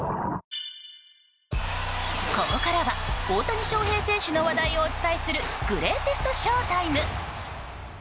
ここからは大谷翔平選手の話題をお伝えするグレイテストＳＨＯ‐ＴＩＭＥ！